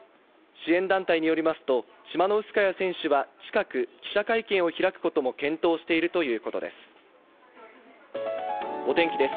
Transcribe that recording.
支援団体によりますと、チマノウスカヤ選手は近く記者会見を開くことも検討しているといお天気です。